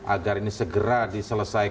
agar ini segera diselesaikan